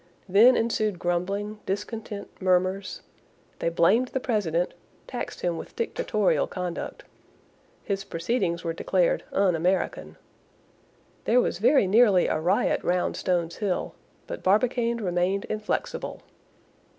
Then ensued grumbling, discontent, murmurs; they blamed the president, taxed him with dictatorial conduct. His proceedings were declared "un American." There was very nearly a riot round Stones Hill; but Barbicane remained inflexible.